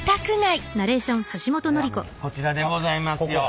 あっこちらでございますよ。